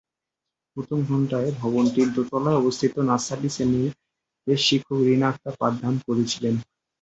প্রথম ঘণ্টায় ভবনটির দোতলায় অবস্থিত নার্সারি শ্রেণীতে শিক্ষক রিনা আক্তার পাঠদান করছিলেন।